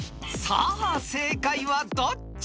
さあ正解はどっち？］